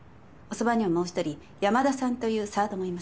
遅番にはもう一人山田さんというサードもいます。